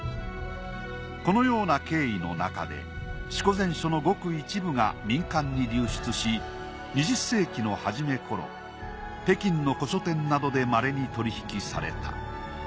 このような経緯のなかで『四庫全書』のごく一部が民間に流出し２０世紀の初め頃北京の古書店などでまれに取り引きされた。